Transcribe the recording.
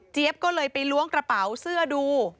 ก็เลยไปล้วงกระเป๋าเสื้อดู